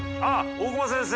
大熊先生。